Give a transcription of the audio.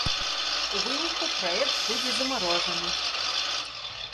У выніку праект будзе замарожаны.